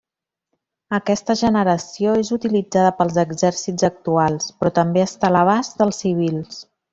Aquesta generació és utilitzada pels exèrcits actuals, però també està a l'abast dels civils.